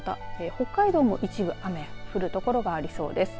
北海道も一部雨が降るところがありそうです。